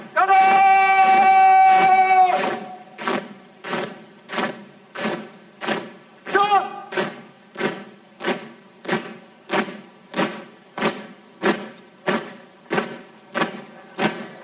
kembali ke tempat